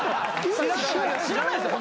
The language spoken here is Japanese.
知らないですよ